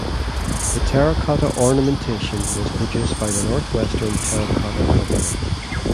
The terracotta ornamentation was produced by the Northwestern Terra Cotta Company.